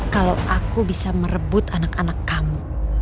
kalau aku bisa merebut anak anak kamu